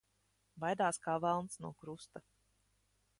Baidās kā velns no krusta.